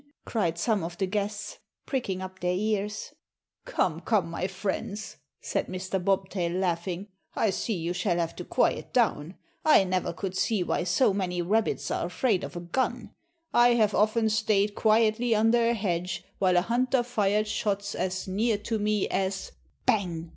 cried some of the guests, pricking up their ears. "Come, come, my friends," said Mr. Bobtail, laughing, "I see I shall have to quiet you. I never could see why so many rabbits are afraid of a gun! I have often stayed quietly under a hedge while a hunter fired shots as near to me as " "Bang!